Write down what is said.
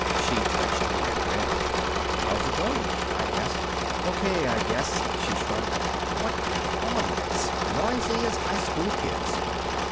She twitched me a grin. "How's it going?" I asked. "Okay, I guess," she shrugged. "What an audience! Noisy as highschool kids."